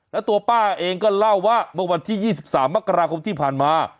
แล้วตัวป้าเองก็เล่าว่าเมื่อวันที่๒๓มกราคมที่ผ่านมา